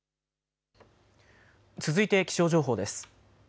続いて気象情報です。